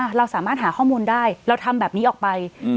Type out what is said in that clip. เราสามารถหาข้อมูลได้เราทำแบบนี้ออกไป